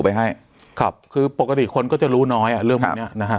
ไปให้ครับคือปกติคนก็จะรู้น้อยอ่ะเรื่องพวกเนี้ยนะฮะ